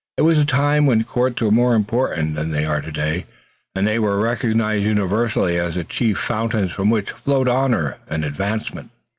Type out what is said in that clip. It was a time when courts were more important than they are today, and they were recognized universally as the chief fountains from which flowed honor and advancement.